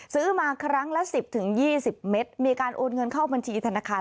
ซื้อมาครั้งละ๑๐๒๐เมตรมีการโอนเงินเข้าบัญชีธนาคาร